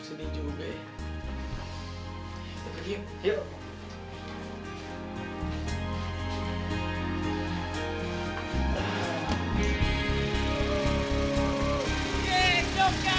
saya juga pak